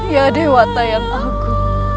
ya dewa tayang aku